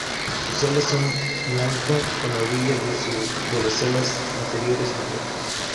Sus alas son blanca con la orilla de las alas anteriores negra.